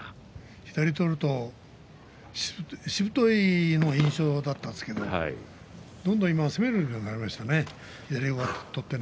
左を取るとしぶとい印象だったんですがどんどん今は攻めるようになりましたね。